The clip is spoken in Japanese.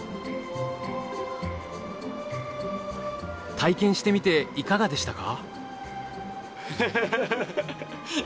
体験してみていかがでしたか？